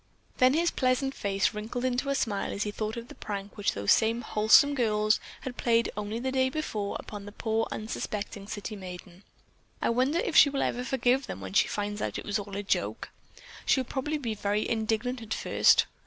Then his pleasant face wrinkled into a smile as he thought of the prank which those same wholesome girls had played only the day before upon the poor, unsuspecting city maiden. "I wonder if she will ever forgive them when she finds out that it was all a joke. She'll probably be very indignant at first.